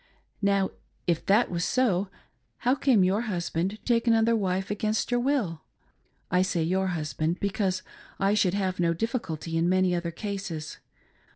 Now if that was so, how came jyour husband to take another wife against your will? I say ^^wr husband, because! should have no difficulty in many other cases.